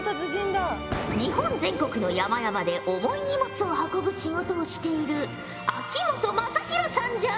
日本全国の山々で重い荷物を運ぶ仕事をしている秋本真宏さんじゃ。